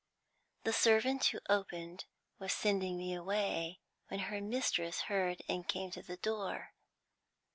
The servant who opened was sending me away, when her mistress heard, and came to the door.